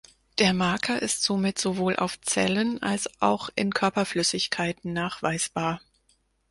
Der Marker ist somit sowohl auf Zellen als auch in Körperflüssigkeiten nachweisbar.